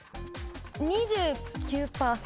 ２９％。